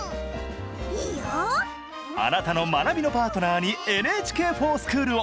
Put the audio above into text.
いいよ。あなたの学びのパートナーにＮＨＫｆｏｒＳｃｈｏｏｌを！